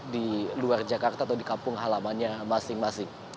di luar jakarta atau di kampung halamannya masing masing